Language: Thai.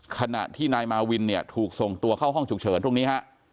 ขณะที่นายมาวินเนี่ยถูกส่งตัวเข้าห้องฉุกเฉินตรงนี้ฮะ